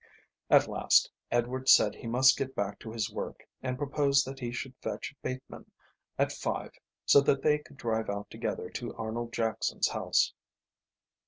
At last Edward said he must get back to his work and proposed that he should fetch Bateman at five so that they could drive out together to Arnold Jackson's house.